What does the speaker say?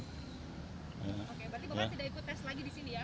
berarti bukan tidak ikut tes lagi di sini ya